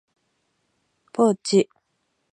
ポーチ